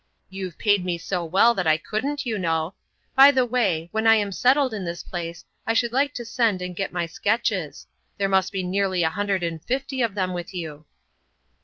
"You've paid me so well that I couldn't, you know. By the way, when I am settled in this place I should like to send and get my sketches. There must be nearly a hundred and fifty of them with you."